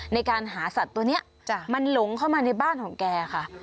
ในการหาสัตว์ตัวนี้มันหลงเข้ามาในบ้านของแกค่ะ